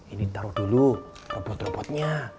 ini ditaruh dulu robot robotnya